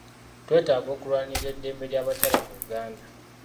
Twetaaga okulwanirira eddembe ly'abakyala mu Uganda.